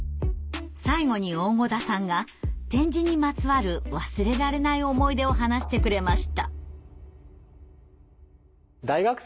最後に大胡田さんが点字にまつわる忘れられない思い出を話してくれました。